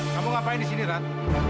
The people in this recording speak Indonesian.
kamu ngapain di sini rad